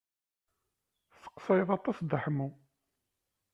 Tesseqsayeḍ aṭas Dda Ḥemmu.